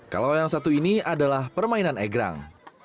kalau yang satu ini adalah permainan egrang